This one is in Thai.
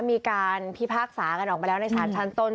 มีการพิพากษากันออกมาแล้วในสารชั้นต้น